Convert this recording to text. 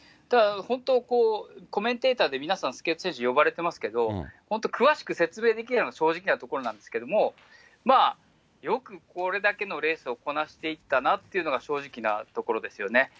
だから本当、コメンテーターで皆さん、スケート選手呼ばれてますけど、本当、詳しく説明できないのが正直なところなんですけれども、まあ、よくこれだけのレースをこなしていったなというのが正直なところですよね。